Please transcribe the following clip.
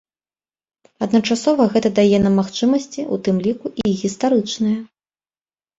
Адначасова гэта дае нам магчымасці, у тым ліку і гістарычныя.